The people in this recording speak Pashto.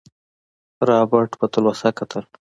رابرټ په تلوسه کتل.